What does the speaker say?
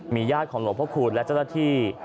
ญาติของหลวงพระคูณและเจ้าหน้าที่